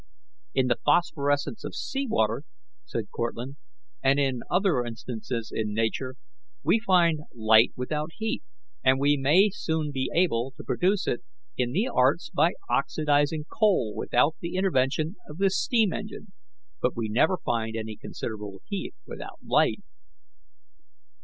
"In the phosphorescence of seawater," said Cortlandt, "and in other instances in Nature, we find light without heat, and we may soon be able to produce it in the arts by oxidizing coal without the intervention of the steam engine; but we never find any considerable heat without light."